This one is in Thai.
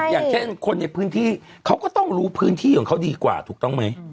อย่างเช่นคนในพื้นที่เขาก็ต้องรู้พื้นที่ของเขาดีกว่าถูกต้องไหม